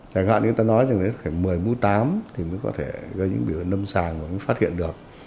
chẳng hạn như người ta nói chẳng hạn một mươi mu tám thì mới có thể gây những biểu hiện nâm sàng và mới phát hiện được